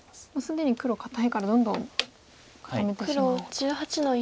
既に黒堅いからどんどん固めてしまおうと。